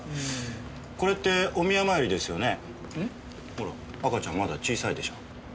ほら赤ちゃんまだ小さいでしょう。